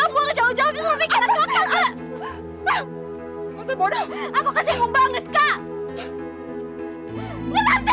aku kesinggung banget kak